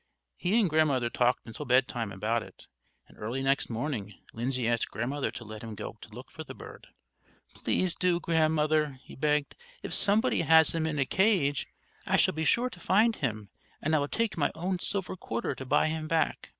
He and Grandmother talked until bed time about it, and early next morning Lindsay asked Grandmother to let him go to look for the bird. "Please do, Grandmother," he begged. "If somebody has him in a cage I shall be sure to find him; and I will take my own silver quarter to buy him back."